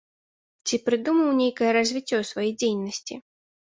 Ці прыдумаў нейкае развіццё сваёй дзейнасці?